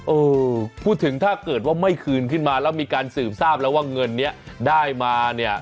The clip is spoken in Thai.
เออพูดถึงถ้าเกิดว่าไม่คืนขึ้นมาแล้วมีการสืบทราบแล้วว่าเงินนี้ได้มาเนี่ย